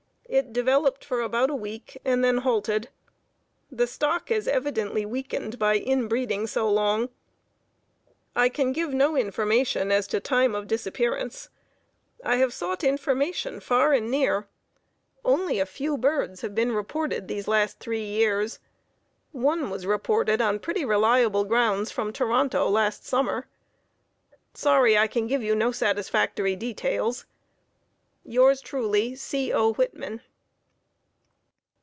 It developed for about a week and then halted. The stock is evidently weakened by inbreeding so long. I can give no information as to time of disappearance. I have sought information far and near. Only a few birds have been reported the last three years. One was reported on pretty reliable grounds from Toronto last summer. Sorry I can give you no satisfactory details. Yours truly, C. O. Whitman.